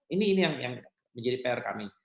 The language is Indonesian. ini yang menjadi pr kami